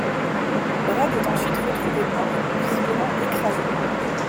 Brad est ensuite retrouvé mort, visiblement écrasé.